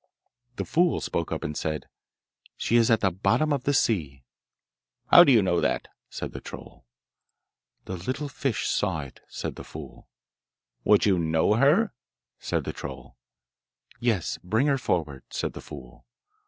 The fool spoke up and said, 'She is at the bottom of the sea.' 'How do you know that?' said the troll. 'The little fish saw it,' said the fool. 'Would you know her?' said the troll. 'Yes, bring her forward,' said the fool.